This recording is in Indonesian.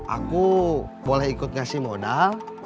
aku boleh ikut ngasih modal